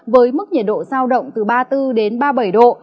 với mức nhiệt độ giao động từ ba mươi bốn đến ba mươi bảy độ